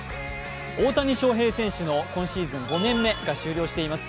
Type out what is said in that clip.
大谷翔平選手の今シーズン５年目が終了しています